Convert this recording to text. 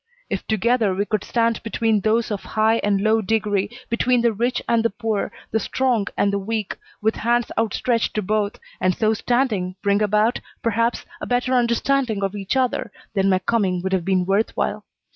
If together we could stand between those of high and low degree, between the rich and the poor, the strong and the weak, with hands outstretched to both, and so standing bring about, perhaps, a better understanding of each other, then my coming would have been worth while.